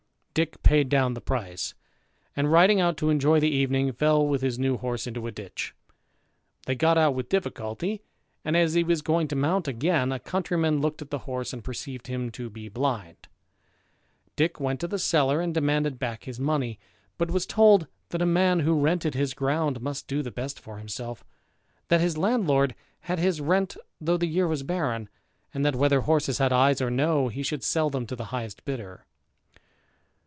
Dick paid down the price, and, riding out to enjoy the evening, fell with his new horse into a ditch; they got out with difficulty, and, as he was going to mount again, a countryman looked at the horse, and perceived him to be blind. Dick went to the seller, and demanded back his money ; but was told, that a man who rented his ground must do the best for himself; that his landlord had his rent though the year was barren ; and that, whether horses had eyes or no, he should sell them to the highest bidder.